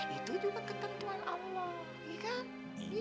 itu juga ketentuan allah iya kan